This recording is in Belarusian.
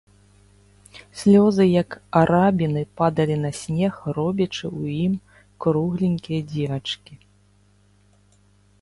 Слёзы, як арабіны, падалі на снег, робячы ў ім кругленькія дзірачкі.